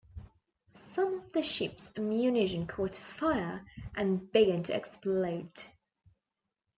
Some of the ship's ammunition caught fire and began to explode.